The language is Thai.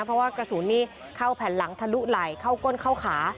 เพราะว่ากระสุนนี้เข้าแผ่นหลังทะลุไหลเข้าก้นเข้าขา